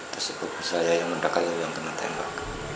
tersebut saya yang mendekati orang yang tembak